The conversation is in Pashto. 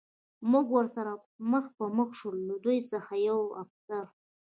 موږ ورسره مخ په مخ شو، له دوی څخه یوه افسر.